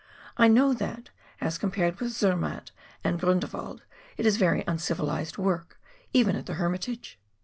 I know that, as compared with Zermatt and Grindelwald, it is very uncivilised work even at the Hermitage.